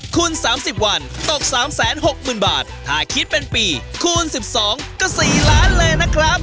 คูณสามสิบวันตกสามแสนหกหมื่นบาทถ้าคิดเป็นปีคูณสิบสองก็สี่ล้านเลยนะครับ